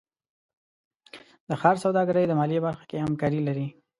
د ښار سوداګرۍ د مالیې برخه کې همکاري لري.